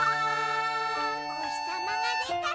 「おひさまがでたら」